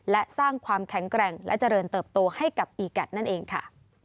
และสร้างความแข็งแกร่งและเจริญเติบโตให้กับอีกัสนั่นเองค่ะ